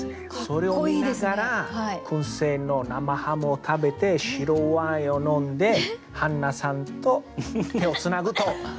それを見ながら燻製の生ハムを食べて白ワインを飲んでハンナさんと手をつなぐという夢をです。